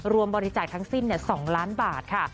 รวมบริจาคทั้งสิ้น๒ล้านบาทค่ะ